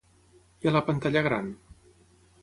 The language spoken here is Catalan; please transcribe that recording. I a la pantalla gran?